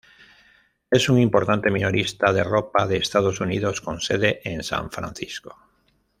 Es un importante minorista de ropa de Estados Unidos, con sede en San Francisco.